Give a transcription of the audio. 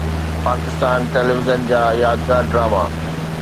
Pakistan television جا يادگار drama